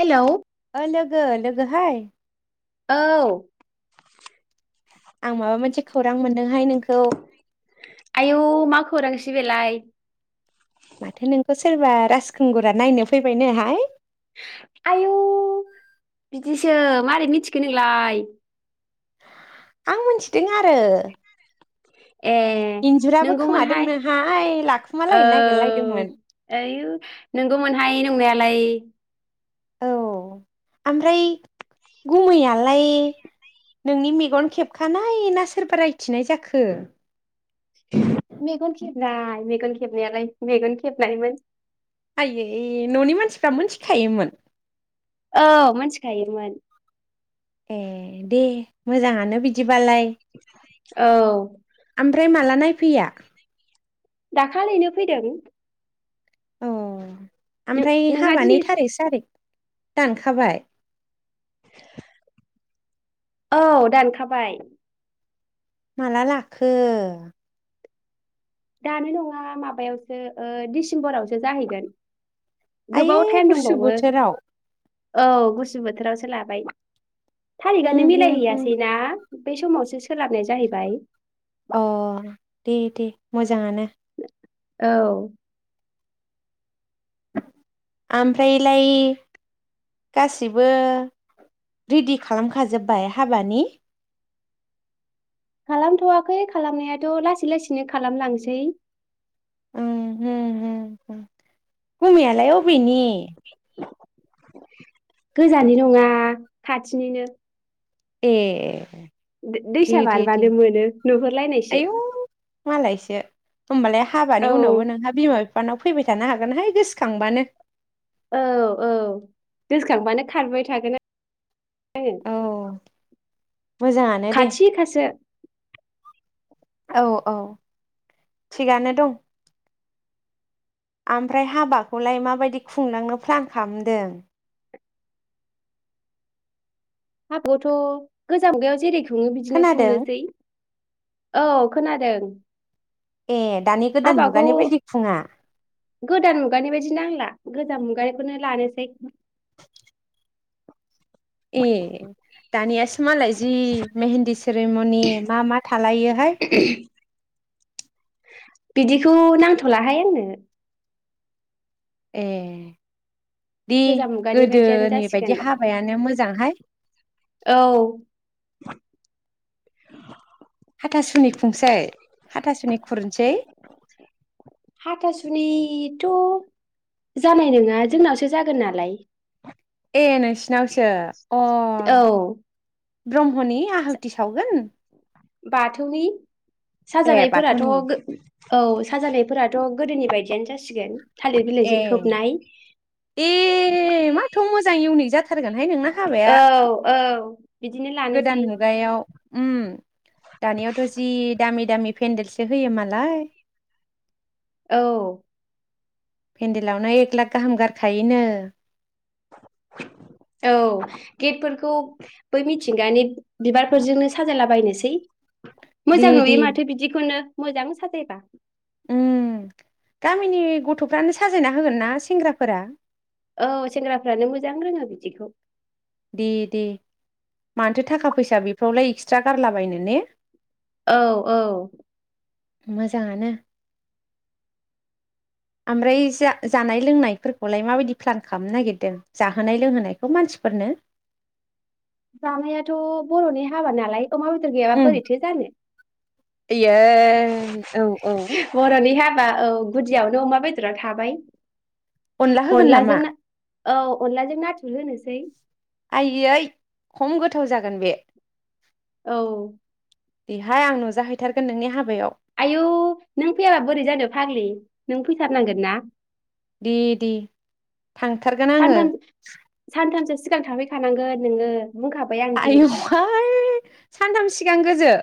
Hello ओ लोगो लोगो हाय औ आं माबा मोनसे खौरां मोनदोंहाय नोंखौ। आयु मा खौरांसै बेलाय? माथो नोंखौ सोरबा राजखुंगुरा नायनो फैबायनोहाय? आयौ बिदिसो मारै मिथिखो नोंलाय? आं मिथिदों आरो। ए इन्जुराबो नंगौमोनहाय खोमादोंनोहाय औ लाखुमालायनो नागिरलायदोंमोन आयु नोंगौमोनहाय। नंनायलाय औ ओमफ्राय गुमैयालाय नोंनि मेगन खेबखानाय ना सोरबा रायथिनाय जाखो? नाय मेगन खेबनायालाय मेगन खेबनायमोन। ए न'नि मानसिफ्रा मोनथि खायोमोन? औ मोनथिखायोमोन। ए दे मोजाङानो बिदिबालाय औ ओमफ्राय माला नायफैया? दाखालिनो फैदों। औ। नों ओमफ्राय नोंहा हाबानि दिनै थारिख सारिख दानखाबाय? औ दानखाबाय। माला लाखो? दानो नङा माबायावसो ओ डिसेम्बरावसो जाहैगोन। आयै गोबाव टाइम गुसु दंबावो बोथोराव। औ गुसु बोथोरावसो लाबाय। थारिखानिनो होम मिलाय होम होम हैयासै ना? बे समावसो सोलाबनाया जाहैबाय। अ दे दे मोजाङानो। औ ओमफ्रायलाय गासिबो रेडि खालामखाजोब्बाय हाबानि? खालामथ'वाखै खालामनायाथ' लासै लासैनो खालामलांसै। हम हम हम गुमैयालाय अबेनि? गोजाननि नङा खाथिनिनो। ए दै- दे दैसा दे दे बारबानो मोनो नुहुरलायनायसो आयौ मालायसो होमबालाय औ हाबानि उनावबो नोंहा बिमा बिफ बिफानाव फैबाय थानो हागोनहाय गोसोखांबानो। औ औ गोसोखांबानो खारबाय थागोन आ औ मोजाङानो दे खाथि खासो। औ औ थिगानो दं ओमफ्राय हाबाखौलाय माबायदि खुंलांनो प्लान खालामदों? हाबायाथ' गोजाम मुगायाव जेरै खुङो बिदिनो खोनादों खुंनोसै। औ खोनादों। ए दानि गोदान हाबाखौ मुगानि बायदि खुङा गोदान मुगानि बायदि नांला गोजाम मुगानिखौनो लानोसै [inaudible] ए दानियासो मालाय जि मेहेन्दी सेरेमनि मा मा थालायो [unintelligible] [inaudible] बिदिखौ नांथ'लाहाय आंनो ए दि गोजाम मुगानि बायदियानो गोदोनि जासिगोन बायदि हाबायानो मोजांहाय। औ हाथासुनि खुंसै? हाथासुनि खुरनोसै? थ' जानाय नङा जोंनावसो जागोन नालाय। ए नों सिनावसो अ औ ब्रह्मनि आहुथि सावगोन बाथौनि ए साजानायफोराथ' बाथौनि गो औ साजानायफोराथ' गोदोनि बायदियानो जासिगोन। थालिर ए बिलाइजों खोबनाय ए माथ' मोजां इउनिक जाथार थारगोनहाय नोंना हाबाया औ औ बिदिनो लानोसै गोदान मुगायाव उम दानियावथ' जि दामि दामि पेन्देलसो होयो मालाय औ पेन्देलावनो एक लाख गाहाम गारखायोनो औ गेटफोरखौ बै मिथिंगानि बिबारफोरजोंनो साजायलाबायनोसै दे मोजां दे नुयो माथो बिदिखौनो मोजां साजायबा उम गामिनि गथ'फ्रानो साजायना होगोनना सेंग्राफोरा औ सेंग्राफ्रानो मोजां रोङो बिदिखौ दे दे मानोाथो थाखा फैसा बेफोरावलाय एक्सट्रा गारलाबायनो ने औ औ मोजाङानो ओमफ्राय जा जानाय लोंनायफोरखौलाय माबायदि प्लान खालामनो नागिरदों जाहोनाय लोंहोनायखौ मानसिफोरनो? जानायाथ' बर'नि हाबा नालाय अमा बेदर गैयाब्ला बोरैथो जानो ए औ औ। बा औ गुदियावनो अमा बेदरा थाबाय। अनला होगोन नामा? अनलाजों ना औ अनलाजों नाथुर होनोसै। आइयै खम गोथाव जागोन बे। औ देहाय आं नुजाहैथारगोन नोंनि हाबायाव। आयौ नों फैयाब्ला बोरै जानो फाग्लि नों फैथारनांगोन ना दे दे थांथारगोन आङो सानथाम सानथामसो सिगां थाफैखानांगोन नोङो। बुंखाबाय आं दिनै आयौहाय सानथाम सि गां गोजो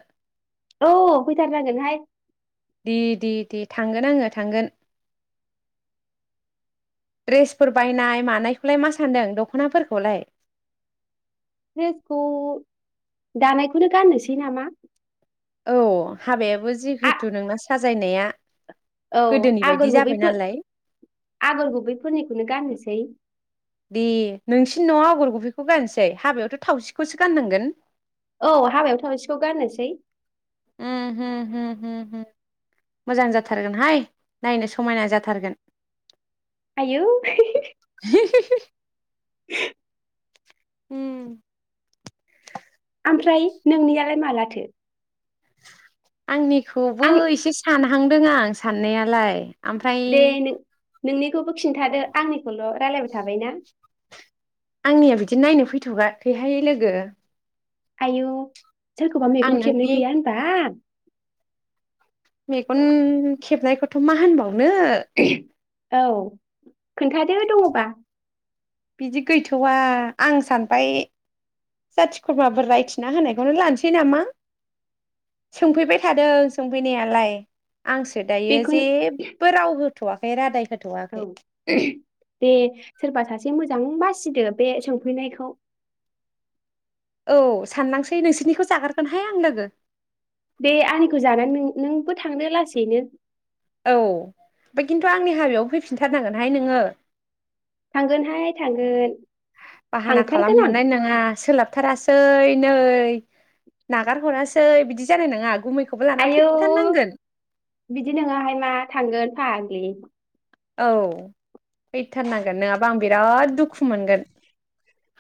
औ फैथार नांगोनहाय। दे दे दे थांगोन आङो थांगोन। ड्रेसफोर बायनाय मानायखौलाय मा सान्दों दख'नाफोरखौलाय? रड्रेसखौ दानायखौनो गाननोसै नामा। औ हाबायाबो आ जिहेथु नोंना साजायनाया औ गोदोनि बायदि आगर गुबै जाबाय फो नालाय आगर गुबैफोरनिखौनो गाननोसै। बेखौ गाननोसै हाबायावथ' थावसिखौसो गाननांगोन। औ हाबायाव थावसिखौ गाननोसै। उम हु हु मोजां जाथारगोनहाय नायनो समायना जाथारगोन। आयौ [unintelligible] [inaudible] उम ओमफ्राय नोंनियालाय मालाथो? आंनि खौबो आं एसे साना सानदों आं साननायालाय ओमफ्राय दे नों नोंनि खौबो खिन्थादो आंनि ल' रायलायबाय थाबायना। आंनिया बिदि नायनो फैथ'वाखैहाय लोगो। आयौ सोरखौबा आं मेगन खेबनाय नोंनि गैया होनबा? मेगन खेबनायखौथ' मा होनबाव नो औ खोन्थादो दङबा। बिदि गैथ'वा आं सानबाय जाथि खुरमाफोर रायथिना होनायखौनो लानोसै नामा सोंफैबाय थादों सोंफैनायालाय। आंसो दायो बेखौ जेबो रावबो होथ'वाखै रादाय [unintelligible] औ दे सोरबा सासे मोजां बासिदो बे सोंफैनायखौ औ साननांसै नोंसोरनिखौ जागोरगोनहाय आं लोगो बे आंनिखौ जानानै नोंबो थांदो लासैनो औ ओमफ्राय खिन्थु आंनि हाबायाव फैफिनथारनांगोनहाय नोङो थांगोनहाय थांगोन बाहाना थांथारगोन खालामनो आं मोननाय नङा सोलाबथारासै नै नागार हरासै बिदि जानाय नङा गुमै आयौ बिदि नोङाहाय मा थांगोन फाग्लि औ फैथारनांगोन नोङाबा आं बिराद दुखु मोनगोन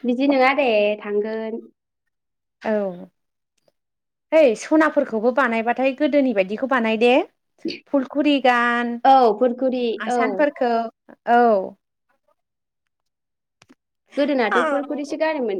बिदि नङा दे थांगोन औ है सनाफोरखौबो बानायबाथाय गोदोनि बायदिखौ बानाय दे फुलखुरि गान औ फुरखुरि औ आसानफोरखौ औ गोदोनाथ' औ फुरखुरिसो गानोमोन